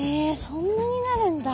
そんなになるんだ。